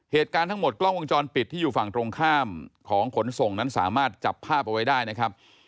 เหตุการณ์ทั้งหมดกล้องวงจรปิดที่อยู่ฝั่งตรงข้ามของขนส่งนั้นสามารถจับภาพเอาไว้ได้นะครับ